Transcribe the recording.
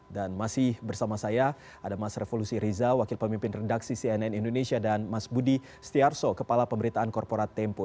dan masih bersama saya ada mas revolusi riza wakil pemimpin redaksi cnn indonesia dan mas budi stiarso kepala pemerintahan korporat tempo